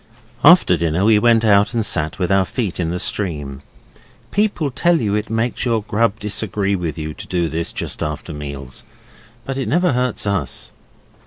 After dinner we went out and sat with our feet in the stream. People tell you it makes your grub disagree with you to do this just after meals, but it never hurts us.